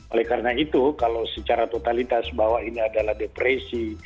oleh karena itu kalau secara totalitas bahwa ini adalah depresi